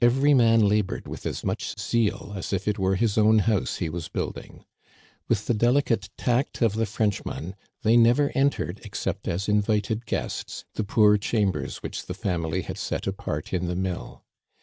Every man labored with as much zeal as if it were his own house he was building. With the delicate tact of the Frenchman, they never entered, except as invited guests, the poor chambers which the family had set apart in the mill.